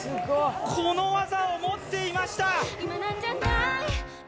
この技を持っていました。